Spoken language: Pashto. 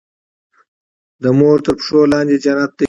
د مور تر پښو لاندې جنت دی.